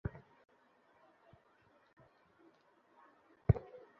কেমন আছেন আন্টি?